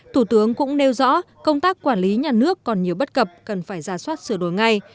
thủ tướng cũng nêu rõ công tác quản lý nhà nước còn nhiều bất cập cần phải ra soát sửa đổi ngay